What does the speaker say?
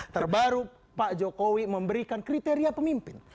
terbaru pak jokowi memberikan kriteria pemimpin